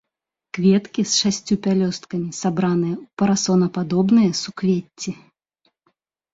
Кветкі з шасцю пялёсткамі, сабраныя ў парасонападобныя суквецці.